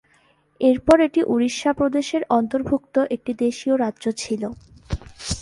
এরপর এটি উড়িষ্যা প্রদেশের অন্তর্ভুক্ত একটি দেশীয় রাজ্য ছিল।